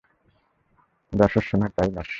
যা শস্য নয় তা-ই নস্য।